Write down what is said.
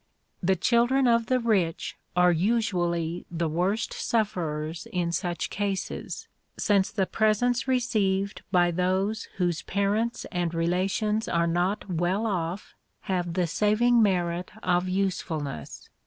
The children of the rich are usually the worst sufferers in such cases, since the presents received by those whose parents and relations are not "well off" have the saving merit of usefulness.